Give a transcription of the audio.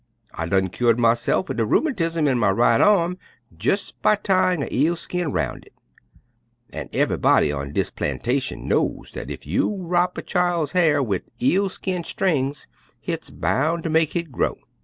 I done kyored myse'f er de rheumatiz in my right arm jes' by tyin' a eel skin roun' hit, an' ev'yb'dy on dis plantation knows dat ef you'll wrop a chil's hya'r wid eel skin strings hit's boun' ter mek hit grow.